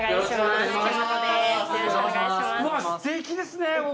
すてきですねここ！